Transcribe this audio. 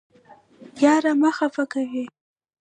یار مه خفه کوئ